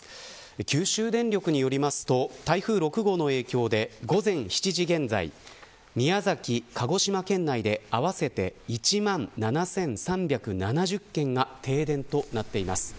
九州電力によりますと台風６号の影響で午前７時現在宮崎、鹿児島県内で合わせて１万７３７０軒が停電となっています。